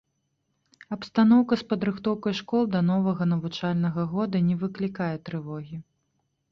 Абстаноўка з падрыхтоўкай школ да новага навучальнага года не выклікае трывогі.